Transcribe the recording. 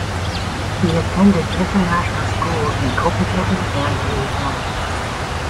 He attended International Schools in Copenhagen and Vienna.